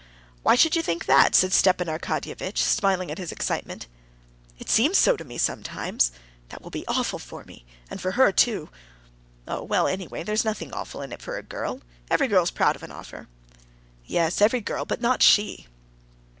"Why should you think that?" said Stepan Arkadyevitch, smiling at his excitement. "It seems so to me sometimes. That will be awful for me, and for her too." "Oh, well, anyway there's nothing awful in it for a girl. Every girl's proud of an offer." "Yes, every girl, but not she."